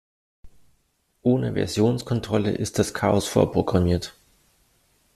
Ohne Versionskontrolle ist das Chaos vorprogrammiert.